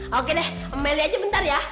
oke deh memilih aja bentar ya